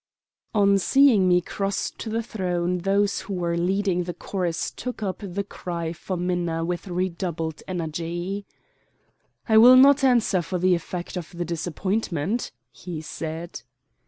On seeing me cross to the throne those who were leading the chorus took up the cry for Minna with redoubled energy. "I will not answer for the effect of the disappointment," he said.